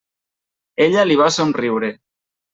Ella li va somriure.